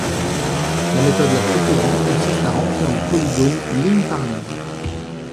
La méthode la plus courante consiste à remplir le polygone ligne par ligne.